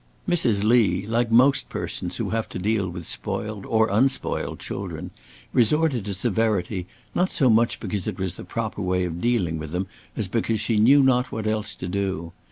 Mrs. Lee, like most persons who have to deal with spoiled or unspoiled children, resorted to severity, not so much because it was the proper way of dealing with them, as because she knew not what else to do.